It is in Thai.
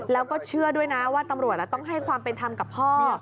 แล้วก็เชื่อด้วยนะว่าตำรวจต้องให้ความเป็นธรรมกับพ่อ